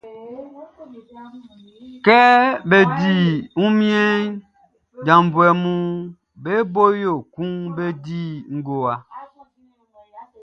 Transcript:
Kɛ bé dí wunmiɛnʼn, janvuɛʼm be bo yo kun be di ngowa.